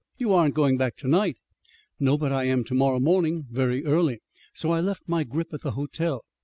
You aren't going back to night!" "No, but I am to morrow morning, very early, so I left my grip at the hotel.